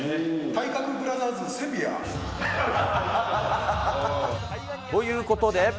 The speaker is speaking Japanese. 体格ブラザーズセピア。ということで。